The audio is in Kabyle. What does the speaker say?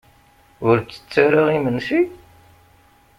Ur ttett ara imensi?